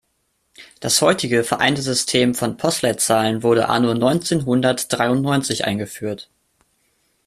Das heutige vereinte System von Postleitzahlen wurde anno neunzehnhundertdreiundneunzig eingeführt.